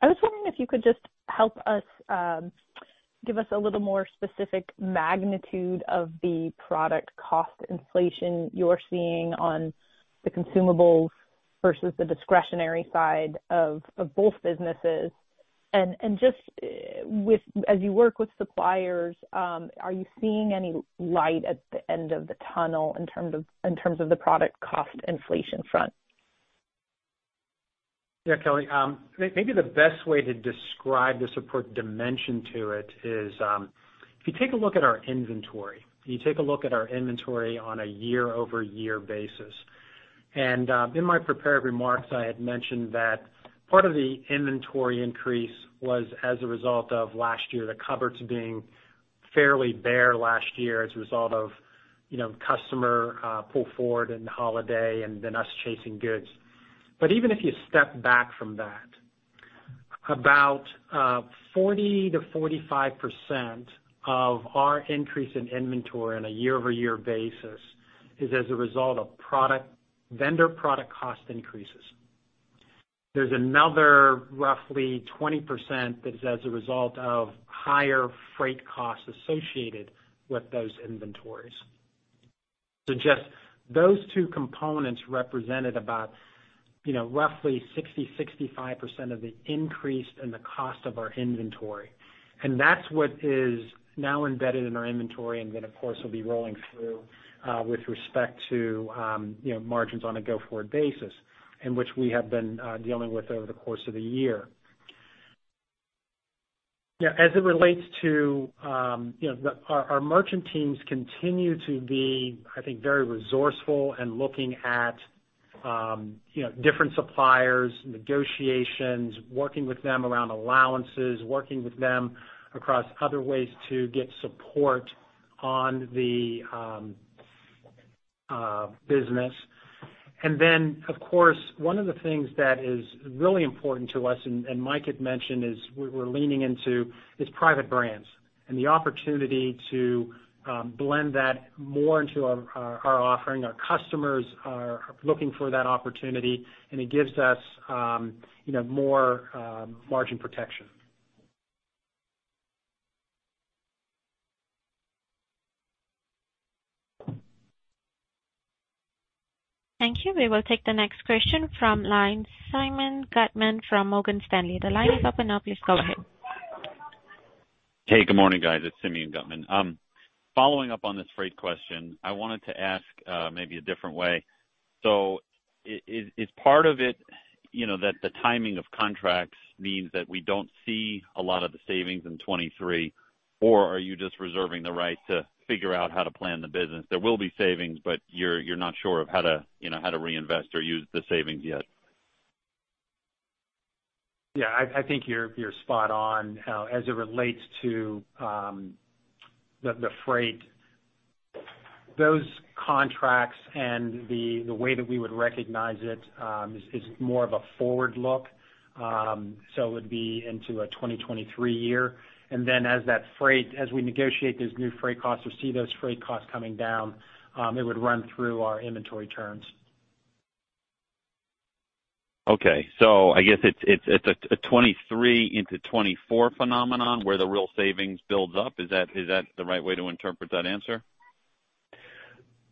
I was wondering if you could just help us give us a little more specific magnitude of the product cost inflation you're seeing on the consumables versus the discretionary side of both businesses. As you work with suppliers, are you seeing any light at the end of the tunnel in terms of the product cost inflation front? Yeah, Kelly. maybe the best way to describe the support dimension to it is, if you take a look at our inventory, if you take a look at our inventory on a year-over-year basis, and, in my prepared remarks, I had mentioned that part of the inventory increase was as a result of last year, the cupboards being fairly bare last year as a result of, you know, customer, pull forward in the holiday and then us chasing goods. Even if you step back from that, 40%-45% of our increase in inventory on a year-over-year basis is as a result of vendor product cost increases. There's another roughly 20% that is as a result of higher freight costs associated with those inventories. Just those two components represented about, you know, roughly 60%-65% of the increase in the cost of our inventory. That's what is now embedded in our inventory and then of course will be rolling through with respect to, you know, margins on a go forward basis, and which we have been dealing with over the course of the year. As it relates to, you know, our merchant teams continue to be, I think, very resourceful and looking at, you know, different suppliers, negotiations, working with them around allowances, working with them across other ways to get support on the business. Of course, one of the things that is really important to us, and Mike had mentioned is we're leaning into, is private brands and the opportunity to blend that more into our offering. Our customers are looking for that opportunity, and it gives us, you know, more margin protection. Thank you. We will take the next question from line, Simeon Gutman from Morgan Stanley. The line is open now. Please go ahead. Hey, good morning, guys. It's Simeon Gutman. Following up on this freight question, I wanted to ask maybe a different way. Is part of it, you know, that the timing of contracts means that we don't see a lot of the savings in 23? Are you just reserving the right to figure out how to plan the business? There will be savings, but you're not sure of how to, you know, how to reinvest or use the savings yet. I think you're spot on. As it relates to the freight. Those contracts and the way that we would recognize it is more of a forward look. It would be into a 2023 year. As that freight as we negotiate those new freight costs or see those freight costs coming down, it would run through our inventory turns. Okay. I guess it's a 23 into 24 phenomenon where the real savings builds up. Is that the right way to interpret that answer?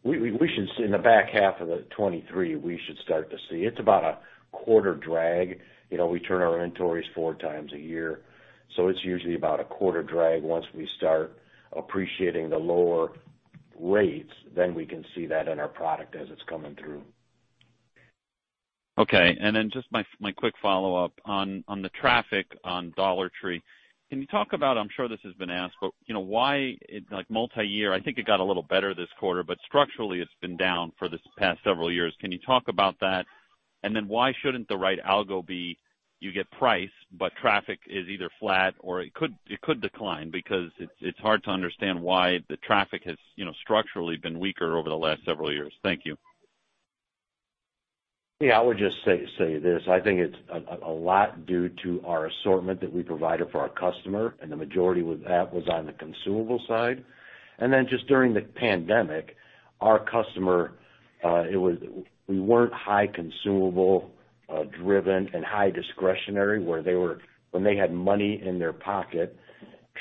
We should see in the back half of 23, we should start to see. It's about a quarter drag. You know, we turn our inventories four times a year, so it's usually about a quarter drag. Once we start appreciating the lower rates, then we can see that in our product as it's coming through. Okay. Just my quick follow-up. On the traffic on Dollar Tree, can you talk about, I'm sure this has been asked, but, you know, why it like multi-year? I think it got a little better this quarter, but structurally it's been down for this past several years. Can you talk about that? Why shouldn't the right algo be you get price, but traffic is either flat or it could decline because it's hard to understand why the traffic has, you know, structurally been weaker over the last several years. Thank you. Yeah, I would just say this. I think it's a lot due to our assortment that we provided for our customer. The majority with that was on the consumable side. Just during the pandemic, our customer, we weren't high consumable driven and high discretionary when they had money in their pocket,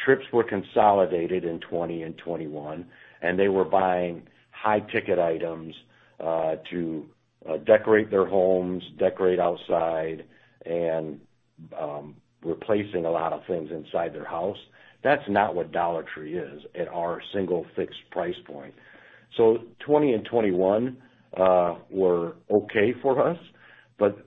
trips were consolidated in 20 and 21, and they were buying high ticket items to decorate their homes, decorate outside and replacing a lot of things inside their house. That's not what Dollar Tree is at our single fixed price point. 20 and 21 were okay for us. But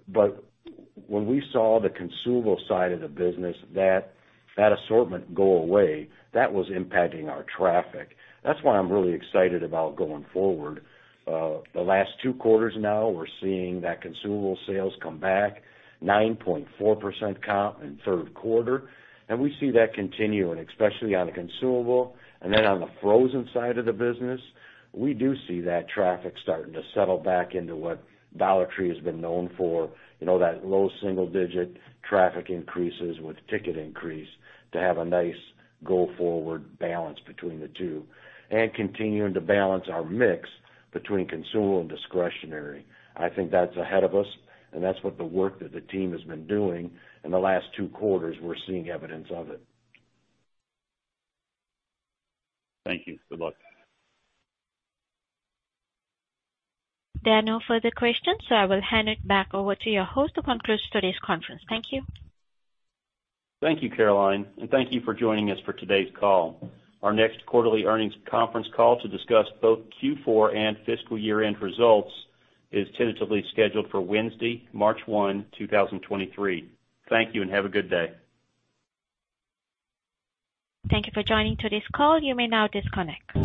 when we saw the consumable side of the business, that assortment go away, that was impacting our traffic. That's why I'm really excited about going forward. The last two quarters now we're seeing that consumable sales come back 9.4% comp in third quarter. We see that continuing especially on the consumable. Then on the frozen side of the business, we do see that traffic starting to settle back into what Dollar Tree has been known for. You know, that low single-digit traffic increases with ticket increase to have a nice go forward balance between the two. Continuing to balance our mix between consumable and discretionary. I think that's ahead of us, and that's what the work that the team has been doing in the last two quarters we're seeing evidence of it. Thank you. Good luck. There are no further questions. I will hand it back over to your host to conclude today's conference. Thank you. Thank you, Caroline, thank you for joining us for today's call. Our next quarterly earnings conference call to discuss both Q4 and fiscal year-end results is tentatively scheduled for Wednesday, March 1, 2023. Thank you, have a good day. Thank you for joining today's call. You may now disconnect.